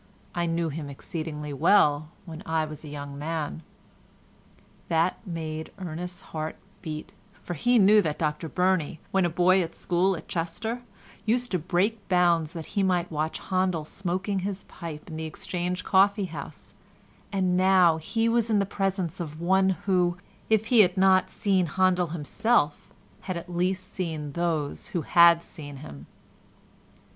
I knew him exceedingly well when I was a young man." That made Ernest's heart beat, for he knew that Dr Burney, when a boy at school at Chester, used to break bounds that he might watch Handel smoking his pipe in the Exchange coffee house—and now he was in the presence of one who, if he had not seen Handel himself, had at least seen those who had seen him.